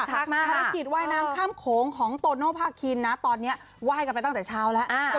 ภารกิจว่ายน้ำข้ามโขงของโตโนภาคินนะตอนนี้ไหว้กันไปตั้งแต่เช้าแล้ว